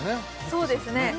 そうですね